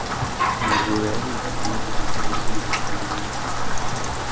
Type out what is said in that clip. Umujura yarirutse maze umupolisi yiruka inyuma ye.